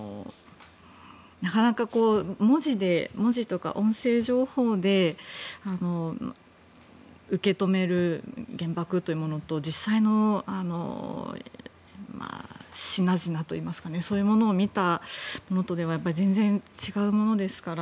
文字とか音声情報で受け止める原爆というものと実際の品々といいますかそういうものを見たのとでは全然違うものですから。